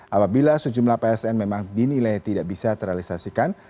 apabila sejumlah psn memang dinilai tidak bisa terrealisasikan